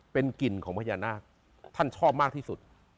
เป็นกลิ่นของพญานาคท่านชอบมากที่สุด